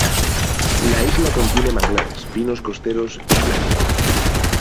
La isla contiene manglares, pinos costeros y playas.